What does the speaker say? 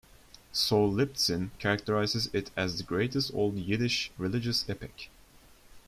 Sol Liptzin characterizes it as the greatest Old Yiddish religious epic.